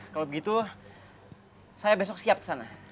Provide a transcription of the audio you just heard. kalau begitu saya besok siap ke sana